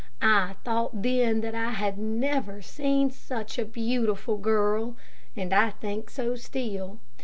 I thought then that I never had seen such a beautiful girl, and I think so still.